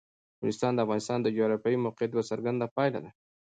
نورستان د افغانستان د جغرافیایي موقیعت یوه څرګنده پایله ده.